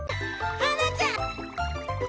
はなちゃん！